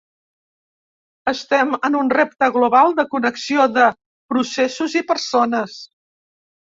Estem en un repte global de connexió de processos i persones.